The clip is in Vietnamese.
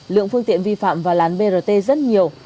lượng phương tiện vi phạm vào làn brt rất nhiều